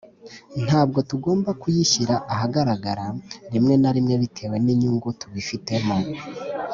ntabwo tugomba kuyishyira ahagaragara rimwe na rimwe bitewe n’inyungu tubifitemo,